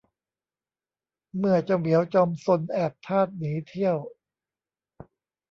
เมื่อเจ้าเหมียวจอมซนแอบทาสหนีเที่ยว